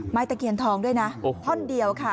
ตะเคียนทองด้วยนะท่อนเดียวค่ะ